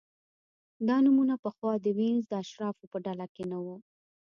دا نومونه پخوا د وینز د اشرافو په ډله کې نه وو